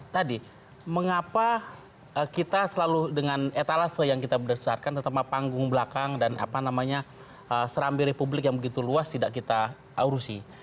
tadi mengapa kita selalu dengan etalase yang kita berdasarkan terutama panggung belakang dan apa namanya serambi republik yang begitu luas tidak kita urusi